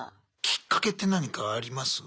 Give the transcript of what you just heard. きっかけって何かあります？